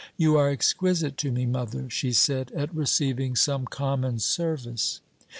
"You are exquisite to me, mother," she said, at receiving some common service.